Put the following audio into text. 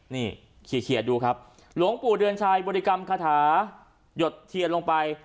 นี่เคลียร์ดูครับหลวงปู่เดือนชัยบริกรรมคาถาหยดเทียนลงไป